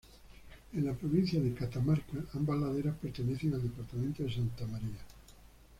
En la provincia de Catamarca, ambas laderas pertenecen al Departamento Santa María.